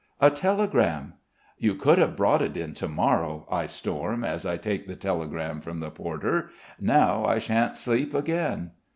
"A telegram." "You could have brought it to morrow," I storm, as I take the telegram from the porter. "Now I shan't sleep again."